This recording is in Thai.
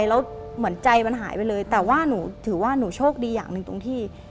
แล้วเหมือนใจมันหายไปเลยแต่ว่าหนูถือว่าหนูโชคดีอย่างหนึ่งตรงที่